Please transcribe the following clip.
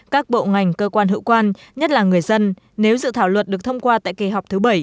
các bộ ngành cơ quan hữu quan nhất là người dân nếu dự thảo luật được thông qua tại kỳ họp thứ bảy